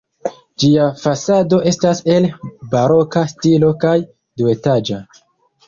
Ĝia fasado estas el baroka stilo kaj duetaĝa.